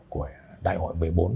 của đại hội một mươi bốn